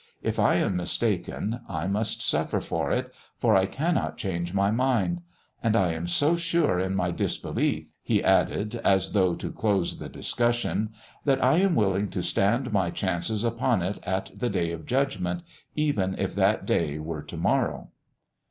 If I am mistaken, I must suffer for it, for I cannot change my mind. And I am so sure in my disbelief," he added, as though to close the discussion, "that I am willing to stand my chances upon it at the day of judgment, even if that day were to morrow."